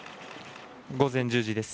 午前１０時です。